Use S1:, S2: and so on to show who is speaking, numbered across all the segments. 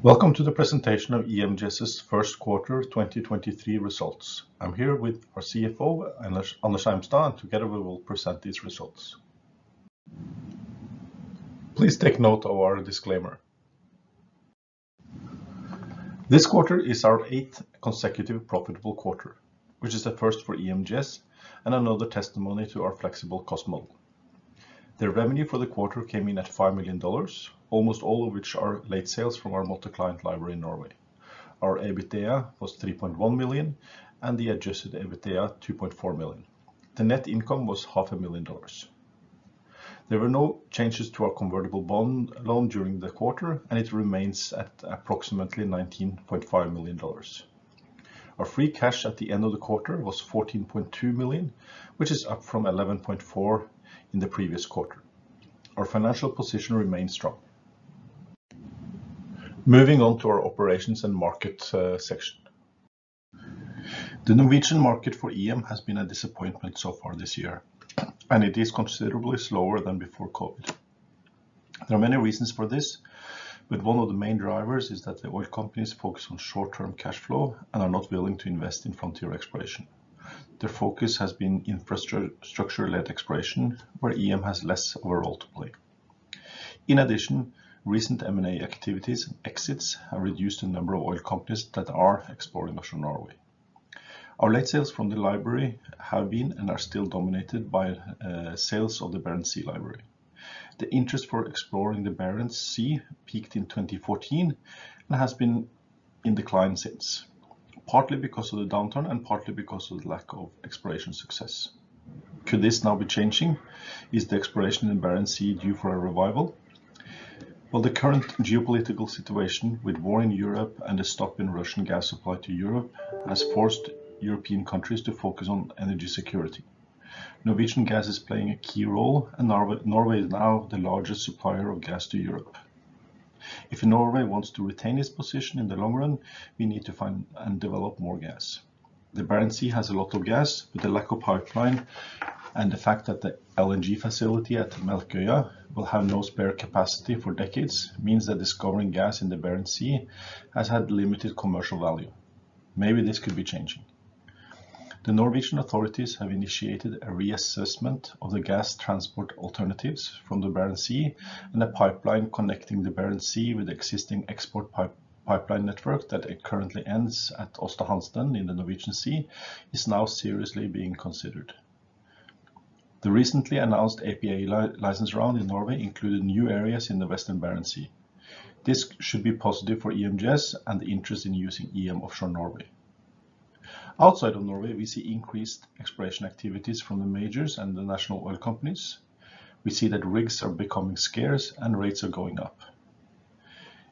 S1: Welcome to the presentation of EMGS's first quarter 2023 results. I'm here with our CFO, Anders Eimstad, and together, we will present these results. Please take note of our disclaimer. This quarter is our eighth consecutive profitable quarter, which is a first for EMGS and another testimony to our flexible cost model. The revenue for the quarter came in at $5 million, almost all of which are late sales from our multi-client library in Norway. Our EBITDA was $3.1 million, and the adjusted EBITDA, $2.4 million. The net income was $0.5 million. There were no changes to our convertible bond loan during the quarter, and it remains at approximately $19.5 million. Our free cash at the end of the quarter was $14.2 million, which is up from $11.4 million in the previous quarter. Our financial position remains strong. Moving on to our operations and market section. The Norwegian market for EM has been a disappointment so far this year, and it is considerably slower than before COVID. There are many reasons for this, but one of the main drivers is that the oil companies focus on short-term cash flow and are not willing to invest in frontier exploration. Their focus has been infrastructure-led exploration, where EM has less of a role to play. In addition, recent M&A activities exits have reduced the number of oil companies that are exploring offshore Norway. Our late sales from the library have been and are still dominated by sales of the Barents Sea library. The interest for exploring the Barents Sea peaked in 2014 and has been in decline since, partly because of the downturn and partly because of the lack of exploration success. Could this now be changing? Is the exploration in Barents Sea due for a revival? Well, the current geopolitical situation with war in Europe and a stop in Russian gas supply to Europe has forced European countries to focus on energy security. Norwegian gas is playing a key role, and Norway is now the largest supplier of gas to Europe. If Norway wants to retain its position in the long run, we need to find and develop more gas. The Barents Sea has a lot of gas, but the lack of pipeline and the fact that the LNG facility at Melkøya will have no spare capacity for decades, means that discovering gas in the Barents Sea has had limited commercial value. Maybe this could be changing. The Norwegian authorities have initiated a reassessment of the gas transport alternatives from the Barents Sea. A pipeline connecting the Barents Sea with the existing export pipeline network that it currently ends at Aasta Hansteen in the Norwegian Sea, is now seriously being considered. The recently announced APA license round in Norway included new areas in the western Barents Sea. This should be positive for EMGS and the interest in using EM Offshore Norway. Outside of Norway, we see increased exploration activities from the majors and the national oil companies. We see that rigs are becoming scarce and rates are going up.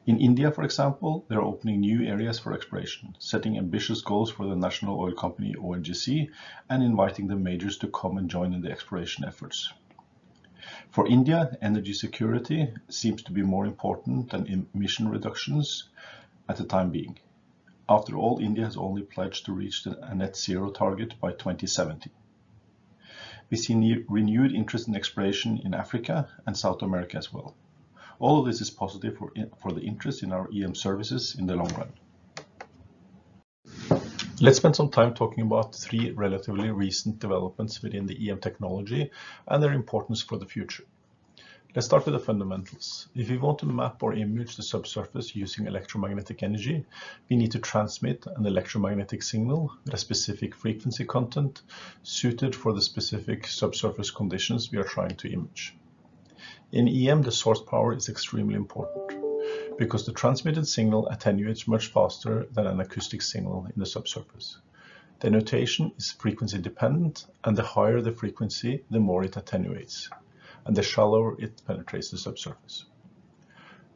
S1: In India, for example, they're opening new areas for exploration, setting ambitious goals for the national oil company, ONGC, and inviting the majors to come and join in the exploration efforts. For India, energy security seems to be more important than emission reductions at the time being. After all, India has only pledged to reach a net zero target by 2070. We see renewed interest in exploration in Africa and South America as well. All of this is positive for the interest in our EM services in the long run. Let's spend some time talking about three relatively recent developments within the EM technology and their importance for the future. Let's start with the fundamentals. If we want to map or image the subsurface using electromagnetic energy, we need to transmit an electromagnetic signal with a specific frequency content suited for the specific subsurface conditions we are trying to image. In EM, the source power is extremely important because the transmitted signal attenuates much faster than an acoustic signal in the subsurface. The notation is frequency dependent, and the higher the frequency, the more it attenuates and the shallower it penetrates the subsurface.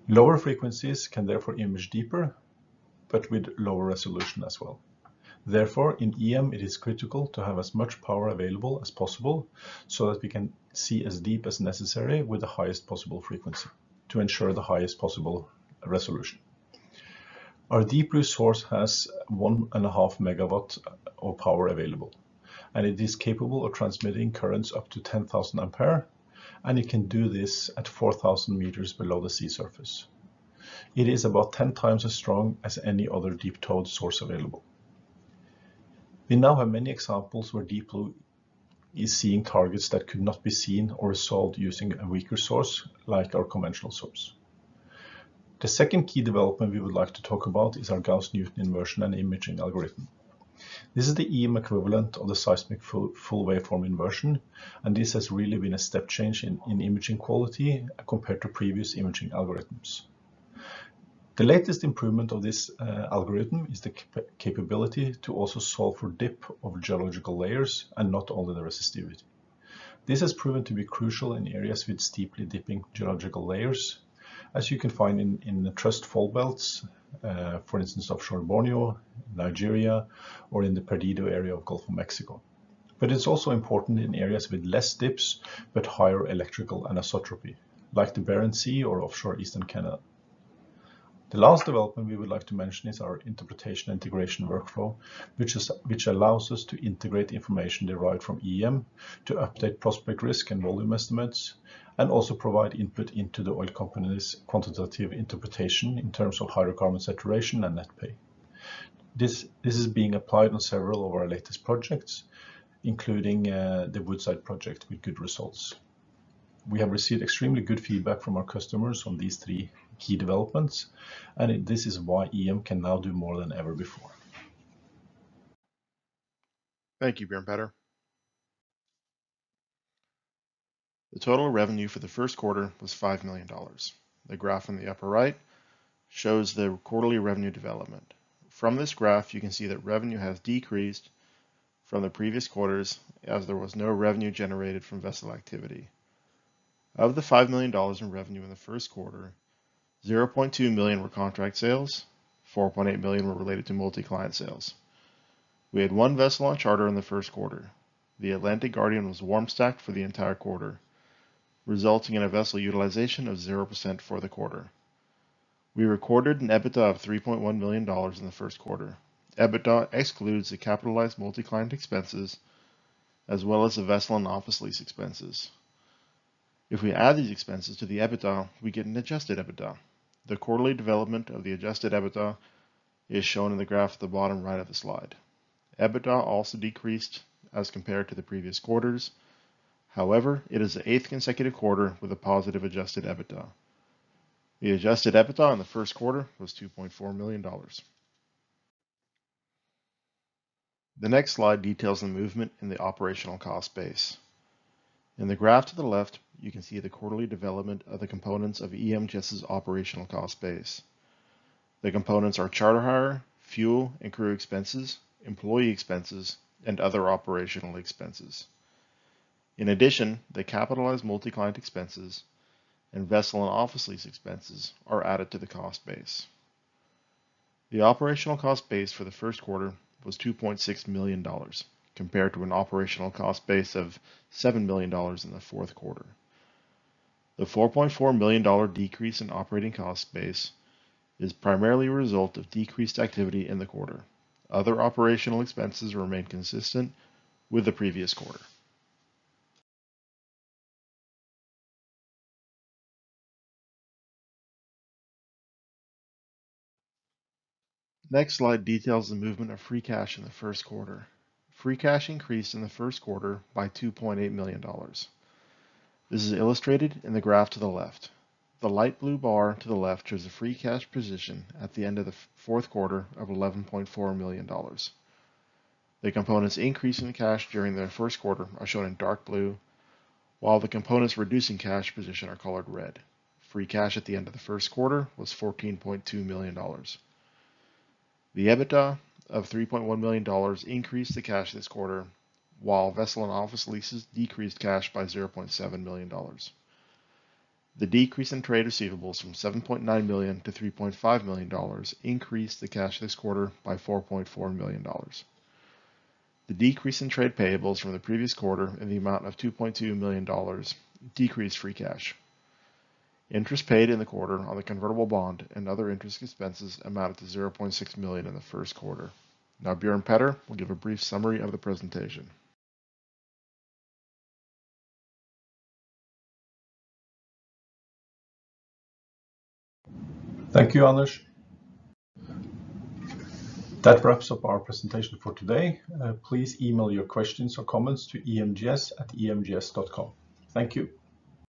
S1: Lower frequencies can therefore image deeper, but with lower resolution as well. Therefore, in EM, it is critical to have as much power available as possible so that we can see as deep as necessary with the highest possible frequency to ensure the highest possible resolution. Our DeepBlue source has one and a half megawatt of power available, and it is capable of transmitting currents up to 10,000 ampere, and it can do this at 4,000 meters below the sea surface. It is about 10 times as strong as any other deep-towed source available. We now have many examples where DeepBlue is seeing targets that could not be seen or resolved using a weaker source, like our conventional source. The second key development we would like to talk about is our Gauss-Newton inversion and imaging algorithm. This is the EM equivalent of the seismic Full Waveform Inversion, and this has really been a step change in imaging quality compared to previous imaging algorithms. The latest improvement of this algorithm is the capability to also solve for dip of geological layers and not only the resistivity. This has proven to be crucial in areas with steeply dipping geological layers, as you can find in the thrust-fold belts, for instance, offshore Borneo, Nigeria, or in the Perdido area of Gulf of Mexico. It's also important in areas with less dips but higher electrical anisotropy, like the Barents Sea or offshore eastern Canada. The last development we would like to mention is our interpretation integration workflow, which allows us to integrate information derived from EM to update prospect risk and volume estimates, and also provide input into the oil company's quantitative interpretation in terms of hydrocarbon saturation and net pay. This is being applied on several of our latest projects, including the Woodside project with good results. We have received extremely good feedback from our customers on these three key developments, and this is why EM can now do more than ever before.
S2: Thank you, Bjørn Petter. The total revenue for the first quarter was $5 million. The graph in the upper right shows the quarterly revenue development. From this graph, you can see that revenue has decreased from the previous quarters, as there was no revenue generated from vessel activity. Of the $5 million in revenue in the first quarter, $0.2 million were contract sales, $4.8 million were related to multi-client sales. We had one vessel on charter in the first quarter. The Atlantic Guardian was warm stacked for the entire quarter, resulting in a vessel utilization of 0% for the quarter. We recorded an EBITDA of $3.1 million in the first quarter. EBITDA excludes the capitalized multi-client expenses, as well as the vessel and office lease expenses. If we add these expenses to the EBITDA, we get an adjusted EBITDA. The quarterly development of the adjusted EBITDA is shown in the graph at the bottom right of the slide. EBITDA also decreased as compared to the previous quarters. However, it is the eighth consecutive quarter with a positive adjusted EBITDA. The adjusted EBITDA in the first quarter was $2.4 million. The next slide details the movement in the operational cost base. In the graph to the left, you can see the quarterly development of the components of EMGS's operational cost base. The components are charter hire, fuel and crew expenses, employee expenses, and other operational expenses. In addition, the capitalized multi-client expenses and vessel and office lease expenses are added to the cost base. The operational cost base for the first quarter was $2.6 million, compared to an operational cost base of $7 million in the fourth quarter. The $4.4 million decrease in operating cost base is primarily a result of decreased activity in the quarter. Other operational expenses remained consistent with the previous quarter. Next slide details the movement of free cash in the first quarter. Free cash increased in the first quarter by $2.8 million. This is illustrated in the graph to the left. The light blue bar to the left shows the free cash position at the end of the fourth quarter of $11.4 million. The components increase in the cash during the first quarter are shown in dark blue, while the components reducing cash position are colored red. Free cash at the end of the first quarter was $14.2 million. The EBITDA of $3.1 million increased the cash this quarter, while vessel and office leases decreased cash by $0.7 million. The decrease in trade receivables from $7.9 million to $3.5 million increased the cash this quarter by $4.4 million. The decrease in trade payables from the previous quarter in the amount of $2.2 million decreased free cash. Interest paid in the quarter on the convertible bond and other interest expenses amounted to $0.6 million in the first quarter. Bjørn Petter will give a brief summary of the presentation.
S1: Thank you, Anders. That wraps up our presentation for today. Please email your questions or comments to emgs@emgs.com. Thank you.